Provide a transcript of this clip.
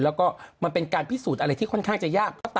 แล้วก็มันเป็นการพิสูจน์อะไรที่ค่อนข้างจะยาก